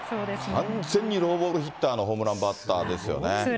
完全にローボールのホームランバッターですよね。